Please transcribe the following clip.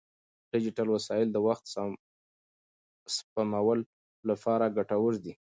ډیجیټل وسایل د وخت سپمولو لپاره ګټور دي.